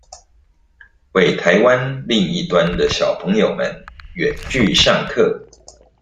為臺灣另一端的小朋友們遠距上課